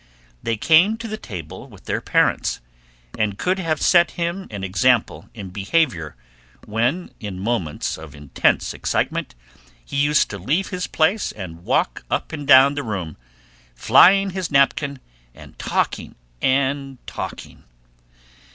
They came to the table with their parents, and could have set him an example in behavior when, in moments of intense excitement, he used to leave his place and walk up and down the room, flying his napkin and talking and talking.